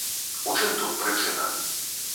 У чым тут прычына?